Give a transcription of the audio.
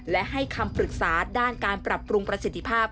และให้คำปรึกษาด้านการปรับปรุงประสิทธิภาพ